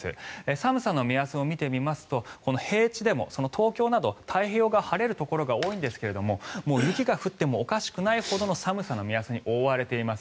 寒さの目安を見てみますと平地でも東京など太平洋側晴れるところが多いんですがもう雪が降ってもおかしくないほどの寒さの目安に覆われています。